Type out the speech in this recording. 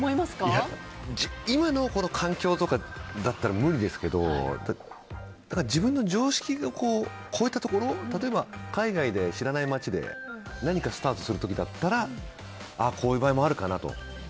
いや、今の環境とかだったら無理ですけど自分の常識を超えたところ例えば海外で知らない街で何かスタートする時だったらこういう場合もあるかなと。